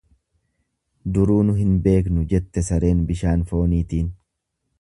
Duruu nu hin beeknu jette sareen bishaan fooniitiin.